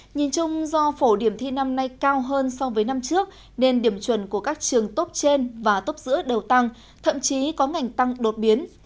nhìn chung do phổ điểm thi năm nay cao hơn so với năm trước nên điểm chuẩn của các trường tốt trên và tốt giữa đều tăng thậm chí có ngành tăng đột biến